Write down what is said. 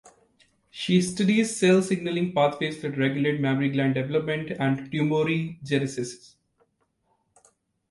She studies cell signaling pathways that regulate mammary gland development and tumorigenesis.